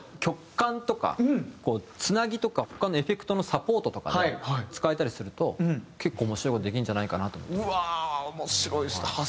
曲間とかこうつなぎとか他のエフェクトのサポートとかで使えたりすると結構面白い事できるんじゃないかなと思って。